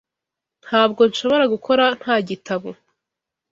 Ntabwo nshobora gukora nta gitabo.